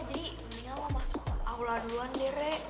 jadi mendingan lo masuk ke aula duluan deh re